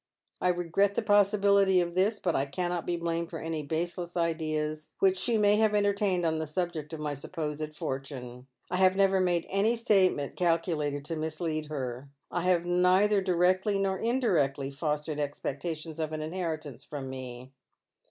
I regret the possibility of this, but I cannot be blamed for any baseless ideas which she may have entertained on the subject of my supposed fortune. I have never made any statement calculated to mislead her. I have neither directly nor indirectly fostered expectations of an inheritance from me.